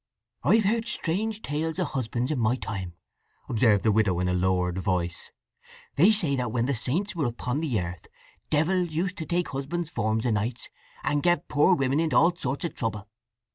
"I've heard strange tales o' husbands in my time," observed the widow in a lowered voice. "They say that when the saints were upon the earth devils used to take husbands' forms o' nights, and get poor women into all sorts of trouble.